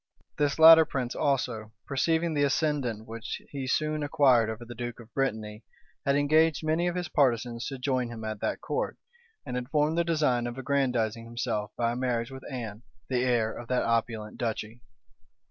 This latter prince also, perceiving the ascendant which he soon acquired over the duke of Brittany, had engaged many of his partisans to join him at that court, and had formed the design of aggrandizing himself by a marriage with Anne, the heir of that opulent duchy.